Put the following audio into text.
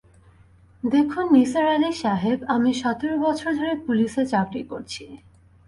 দেখুন নিসার আলি সাহেব, আমি সতের বছর ধরে পুলিশে চাকরি করছি।